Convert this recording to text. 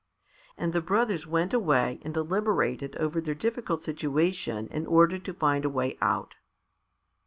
And the brothers went away and deliberated over their difficult situation in order to find a way out.